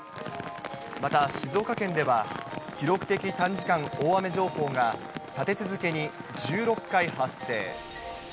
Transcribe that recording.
また静岡県では、記録的短時間大雨情報が、立て続けに１６回発生。